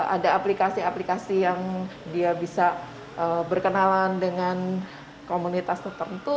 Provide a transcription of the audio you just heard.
ada aplikasi aplikasi yang dia bisa berkenalan dengan komunitas tertentu